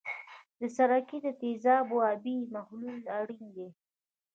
د سرکې د تیزابو آبي محلول اړین دی.